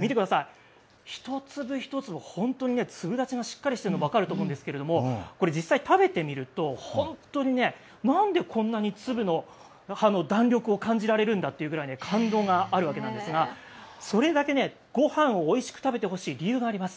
見てください一粒一粒本当にね粒立ちがしっかりしているのが分かると思うんですが実際に食べてみると本当にね、なんでこんなに粒の弾力を感じられるんだというぐらい感動があるわけなんですがそれだけご飯をおいしく食べてほしい理由があります。